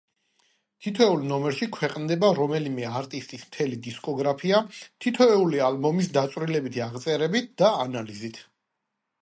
თითოეულ ნომერში ქვეყნდება რომელიმე არტისტის მთელი დისკოგრაფია თითოეული ალბომის დაწვრილებითი აღწერებით და ანალიზით.